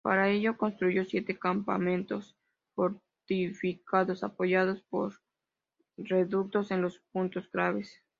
Para ello construyó siete campamentos fortificados, apoyados por reductos en los puntos claves.